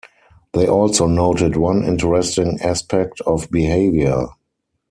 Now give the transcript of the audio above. They also noted one interesting aspect of behaviour.